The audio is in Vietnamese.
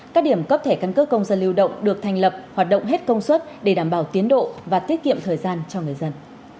các điểm cấp thẻ căn cước công dân lưu động được thành lập hoạt động hết công suất để đảm bảo tiến độ và tiết kiệm thời gian cho người dân